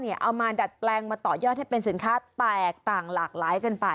เอามาดัดแปลงมาต่อยอดให้เป็นสินค้าแตกต่างหลากหลายกันไป